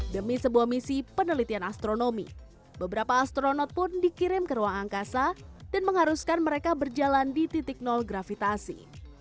demi sebuah misi penelitian astronomi beberapa astronot pun dikirim ke ruang angkasa dan mengharuskan mereka berjalan di titik nol gravitasi